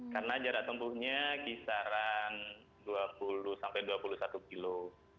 karena jarak tempuhnya kisaran dua puluh sampai dua puluh satu kilo